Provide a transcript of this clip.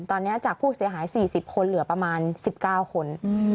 ตอนนี้จากผู้เสียหาย๔๐คนเหลือประมาณ๑๙คน